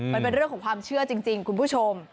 มันเป็นเรื่องของความเชื่อจริงคุณผู้ชม